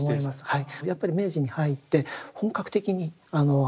はい。